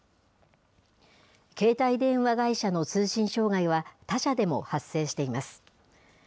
携帯電話会社の通信障害は他社でも発生しています。